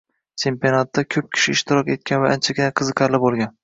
Chempionatda ko‘p kishi ishtirok etgan va anchagina qiziqarli boʻlgan.